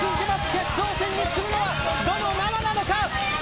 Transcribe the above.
決勝戦に進むのはどのママなのか。